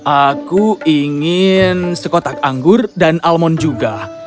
aku ingin sekotak anggur dan almon juga